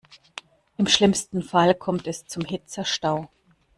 Im schlimmsten Fall kommt es zum Hitzestau.